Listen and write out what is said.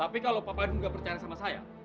tapi kalau pak badurun gak percaya sama saya